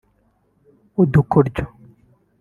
udukoryo